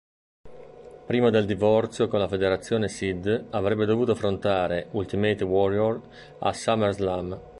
Prima del divorzio con la federazione Sid avrebbe dovuto affrontare Ultimate Warrior a SummerSlam.